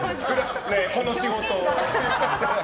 この仕事を？